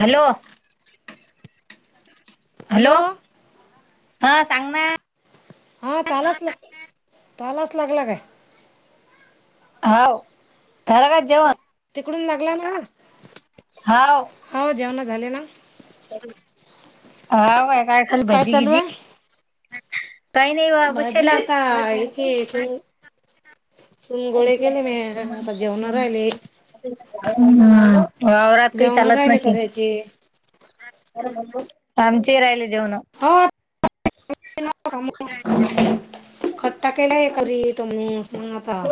Hello hello ह सांग ना हा त्यालाच ला त्यालाच लागला काय होव रा का जेवण तिकडून लागला ना हव हो जेवण झाले ना हा काय खाली भाजी चालू गीज आहे काही नाही वा भाजी बशाला आता याची चून गोळे केले मी हा आता जेवण राहिले वावरवरात काही जेवण चालत राहिले नशी करायचे आमचे राहिले जेवण हो खट्टा केलाय करी तो मग [inaudible] आता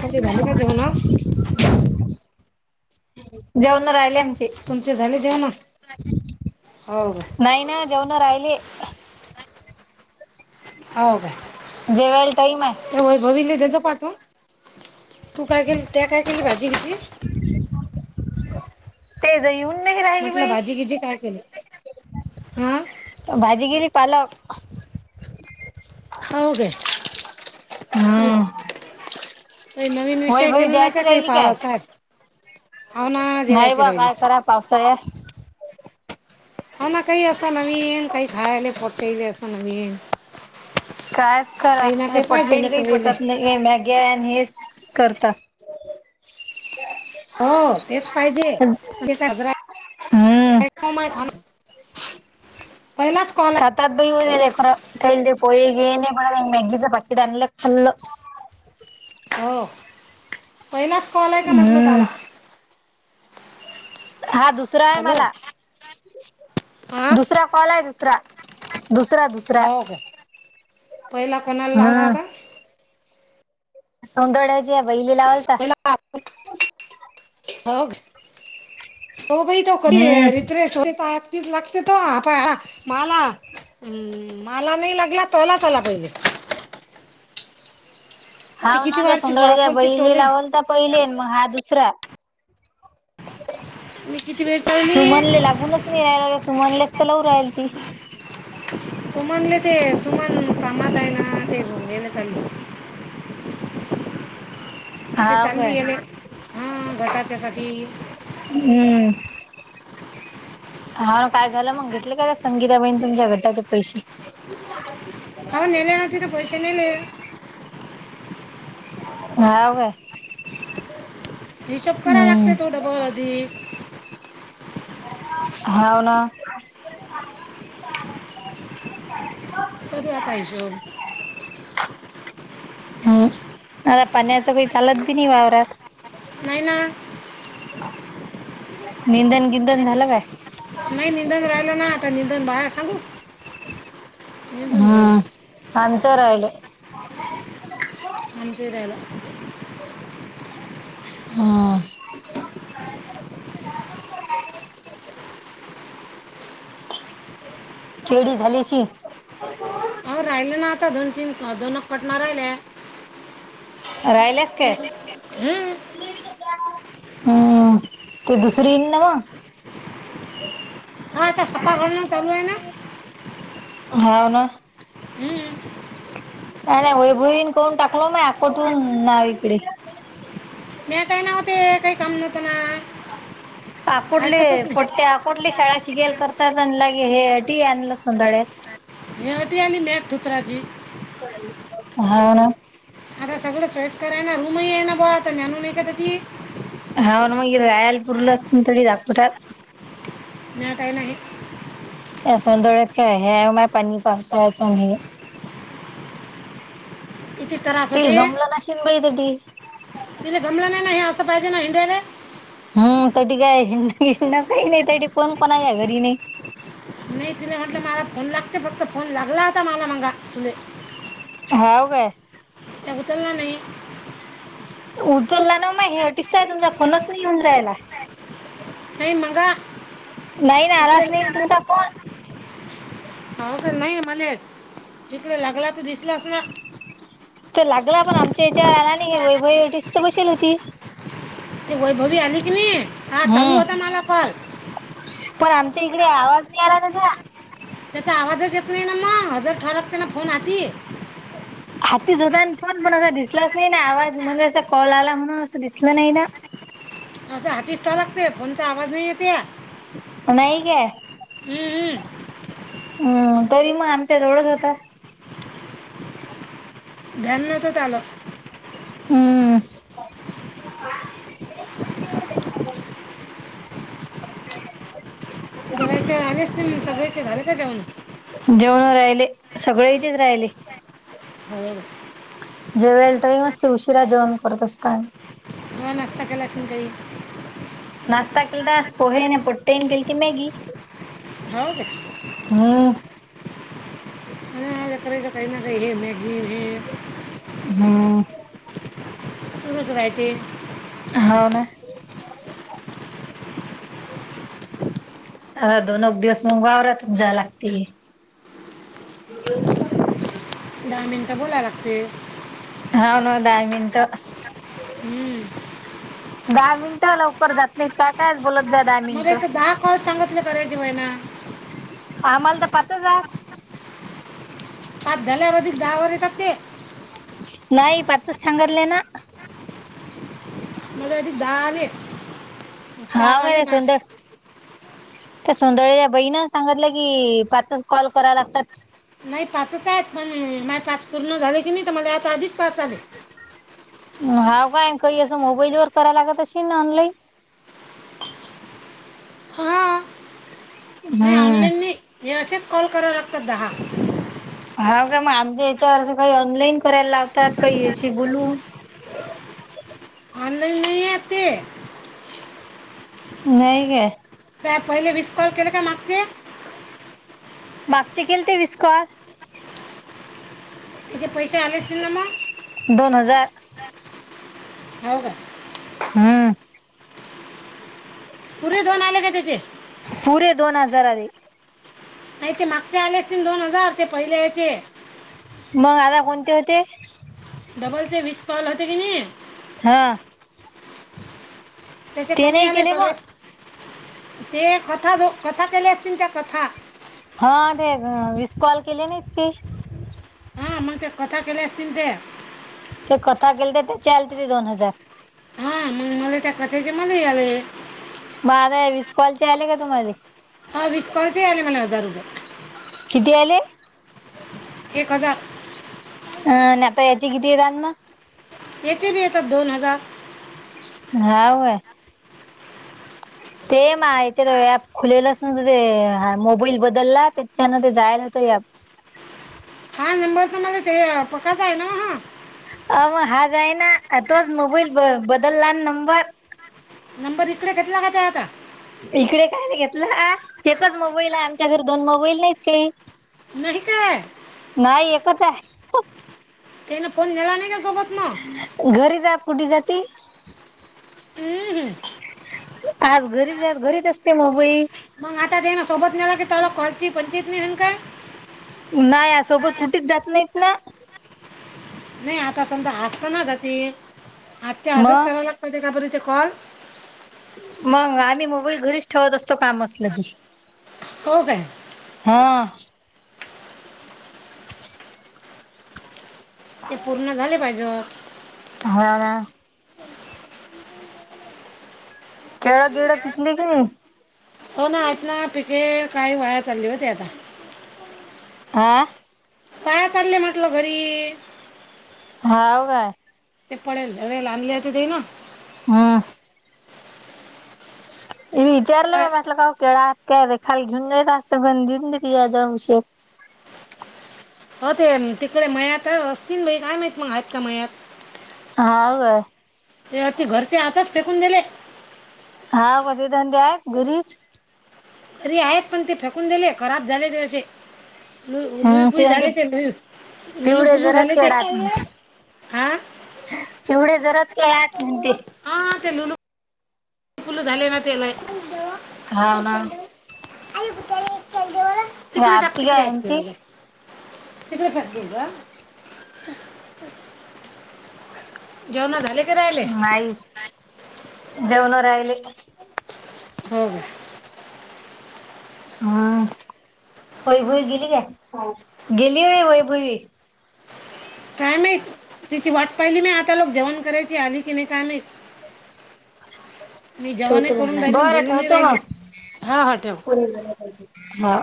तुमचे झाले का जेवण जेऊना राहिले तुमचे झाले जेवण हो का नाही ना जेवणा राहिले हो जेवायला टाईम आहे काय भव त्याच पाठून तू काय के त्या काय केली भाजी घची ते जा येऊन नाही राहिली म्हटलं बाई भाजी किजी काय केली हा भाजी गिरी पालक हो का हम्म काही नवीन होई विषय भाई केला नाही जायची का काही राहिली पावा काय हाव ना नाही जेवायची बा राहिली काय करा पावसाळ्यात ह ना काही असं नवीन काही खायला पटते असं नवीन ये काय करा हे ना पटेल काही तर पटत नाही मॅगी आणि हेच करता हो तेच पाहिजेज हम [inaudible] खा पहिलाच कॉल आहे बऊ दे कोर कैल दे पोय गेन बड मॅगीचा बकेट अले कल् हो पहिलाच कॉल आहे का म्हटलं हम्म. त्याला हा दुसरा आहे हॅलो मला हा दुसरा कॉल आहे दुसरा दुसरा दुसरा हो का पहिला कोणाला लाला होता सोंदड आहे जे बहिली लावलता पहिला हो होई त क हम्म. रिफ्रेश हो लागते त हाय हा मला हम्म मला नाही लागला तोलाच आला पाहिजे हाव ना त्या वारची सोंदळेच्या वाकोरची बैले टोले लावल तर पहिले मग हा दुसरा मी किती वेळ सुमनले चालली लागूनच नाही राहिला सुमनलेच तर लावू राहिल ती कामातय ना तेल नेन तल ते हाव काय? चालली आहे म हा घटाच्या सा हम्म. हा ना काय झालं मग घेतले का संगीताबाईन तुमच्या घटाचे पैसे हम् ह नाहीले ना ते तर पैसे नाहीले ह का हिशब करा लागते थोडं ब अधिक हाव ना तध आता हिशोब हम्म आता पाण्याचा काही चालत बी नाही वावरवरत नाही ना निंदन किंदन झालं काय नाही निधन राहिलं ना आता निधन बाहेर सांगू निंदून घेऊ आमचा राहिला आहे आमजरला ह खेडी झाली शी हो राहिलं ना आता दोन तीन दोन पटन राहिल्या राहिलेस का हम्म हम्म ते दुसरी नावा हा आ्छ सफा करला चालू आहेना हाव ना हम्म अ नाही वैभवीन करून टाकलो म कुठून नाव इकडे मी काही नव्हते काही काम नव्हत ना आकोठले ऐकतच नाही पट्टे आकोठली शाळा शिगेल करतात हे टी आणलं सोधाडत हेवटी आली मॅक ठुतराचीी हा ना आता सगळं चॉईस कराय ना रूमही आहे ना ब आता जञानून आहे का क हा ना मग रायालपूरला असत थोडी दापुटात नाही टाई नाही आहे सन दोडत का आहे पनी पासा स किती त्रास ते जमलं नशिन बाई त तिे गमलं नाही नाही हे असं पाहिजे ना हिंड हम् त्या काय काही नाही त्या कोण कोणा घरी नाही नाही तुला म्हटलं मला फोन लागते फक्त फोन लागला होता मला मगा तुले हाव काय त्याबचला नाही उचलला ना मा हेटिस्त आहे तुमचा फोनच नाही येऊन जायला नाही मग नाही नाराज नाही तुमचा फन हो का नाही म्हलाच तिकडे लागला तर दिसलास ना तर लागला पण आमच्या याच्यावर आला नाही हे वैभईवटीच तर बसेल होती तेी वैभवी आली की नाही हा चालू हम्म. होता मला फल पण आमचा इकडे आवाज नाही आला ना का त्याचा आवाजच येत नाही ना मग हजर ठरकतेना फोन आी हाती झोता आणि फोन पण असा दिसलाच नाही ना आवाज म्हणज कॉल आला म्हणून असं दिसलं नाही ना ह असं हातीस ठवा लागते फोनचा आवाज नाही येते‌ नाही ग हम्मम् हम्म तरी मग आमच्या जवळच होता ध्यान नत आलं हम् रागेश सगळेचे झाले का जेवण जेवण राहिले सगळे इथेच राहिले हो जे वल तोही मस्ती उशिरा जेवण करतस काय पाच टाकेलाशं काही मस्ता क केलत पोहेेन पटेन केलती मॅगी हो का हम आणि ब करायचं काही ना का हे मॅगी हे हम्म सुरूच राय ते हो ना आता दोनक दिवस मग वावररा तुम जा लागते ह दहा मिनटं बोलाय लागते हा नो दय मिनट हम्म दहा मिनिटं लवकर जात नाहीत का काय बोलत जात मला एक दहा कॉल सांगितले करायजेवय ना आम्हाला तर पाचचात पाच झाल्यावर अधिक दहा वाजे कामात ते नाहीय पात सागरना म्हजे अधिक दहाले चार हाव आले काय सुंदर त्या सोंदळेच्या बहीण सांगितलं की पाचच कॉल कराव लागतात नाही पाचच आहेत पण माझ पास पूर्ण झाले की नाही तर मला आता आधीच पास आले हाव काय काही असं मोबाईल व कराय लागतशे ना ऑनलाईन हां ह नाही ऑनलाईन म हे असेच कॉल कराला लागतात दहा ह का मग आमच्या याच्यावर काही ऑनलाईन करायला लावतात काही अशी बोलू ह ऑनलाईन नाही येत ते नाही का ते पहिले विस कॉल केले काय मागचे मागचे खेलते विस्क त्याचे पैसे आलेतील ना मग ह हो का हम्म पुरे दोन आले का त्याचे पुरे दोन हजारध नाही ते मागचे आले दोन हजार ते पहिल्या याचे मग आता कोणते होते डबल चे वीस कॉल होते की नाही हा त्याच्या ते कमी नाही आले केले सर्व मग. ते कथा ज कथा केली असतील त्या कथा हा ते विसकॉल केली ना इतकी आम्हा ते कथ केले अस ते ते कथा केल ते त्याची आल त ते दोन हजार हां मला त्या कथेचे मला या आलं माझा विसकॉल आले का तुम्हाला ह विस्कॉउंट याले मला हजार रुपये किती आले एक हजार अ नाहीता याच कितीरानम येथे बी येतात दोन हजार हाव ते म याच्यात ऍप खुलेलंच नव्हतं ते मोबाईल बदलला त्याच्यान ते जायला होत सया हा नंबर तर मला ते पकत आहे ना हा अ म हाज आहे ना तोच मोबाईल बदलला नंबर नंबर इकडे घेत ना का ते आता इकडे काय नाही घेतलं एकच मोबाईल आहे आमच्या घर दोन मोबाईल नाहीत काही नाहीह का नाही एकच आहे ते ना फोन नेला नाही का सोबत मग घरी जा कुठे जाती हम्म. आज घरीचज घरीच असते मोबई मग आता त्याना सोबत नेला की त्याला कॉलची पंचित नाहीन का नाही या सोबत कुठेच जात नाहीत ना नाही आता समजा आज तर ना जाते आजच्या आजच मग करा लागतते का बरी कण मग आम्ही मोबाईल घरीच ठेवत असतो कामचलं की हो काय हा ते पूर्ण झाले पाहिजे हा केळा गेळा पिकली की नाही हो ना आत ना पिके काही वाया चालली होती आता आ पाया चालले म्हटलं घरी हव का ते पडेल ढल आण ल ते ते ना वां विचारलं म वाया- म्हटलं का केळा आात काय र खाली घेऊन जायेत असं बणऊन ती या ज उशीर हो ते तिकडे मयात असतील भाई काय माहित मग आहेत का मयात हा ए अ ते घरचे आताच फेकून गेले हा क ते धंदे आहेत गरीब अरे आहेत पण ते फेकून दिले खराब झाले ते असे ल हम्म लुईपुई ते म्हणते झाणेचे लु लुलू पिवळे पुुलू जरद झाणेचे केळात आ तेिवढे जरात खळात म्हणते ह तलु न वि फुल झाले ना त्याला हव ना अ हे तिकडे ट आरती तिकडे काय आहेत म्हणती तिकडं [inaudible] जेवणा झाले की राहिले जेवणा राहिले होम् हा वई भई गेली का गेली म वई भई का तिची वाट पाहिली म आता लोक जेवण करायची आली की नाही काय मात ठेवतो म राहिली आणि बरं बोलूनही ठेवतो राहिली हा हा ठेव मग हा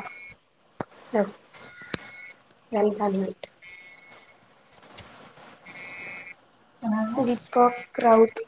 दीपक राऊत